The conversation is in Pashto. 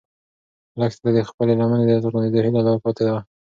لښتې ته د خپلې لمنې د زرغونېدو هیله لا پاتې ده.